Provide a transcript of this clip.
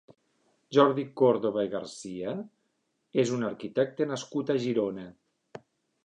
Jordi Córdoba García és un arquitecte nascut a Girona.